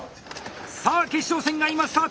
さあ決勝戦が今スタート！